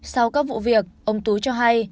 sau các vụ việc ông tú cho hay